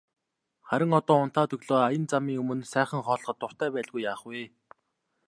Харин одоо унтаад өглөө аян замын өмнө сайхан хооллоход дуртай байлгүй яах вэ.